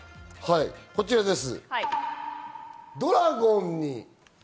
こちらです。